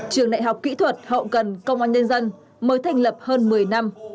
trường đại học kỹ thuật hậu cần công an nhân dân mới thành lập hơn một mươi năm